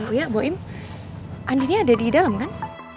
iya bu im andi ada di dalam kan